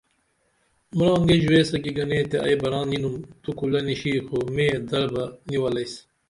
مرانگے ژوایس کی گنے تے ائی بران ینُم تو کُلہ نشی خو میے در بہ نی ولیس